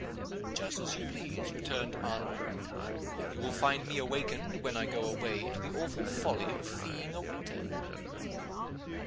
"Just as you please," returned Arnold. "You will find me awakened when I go away to the awful folly of feeing a waiter."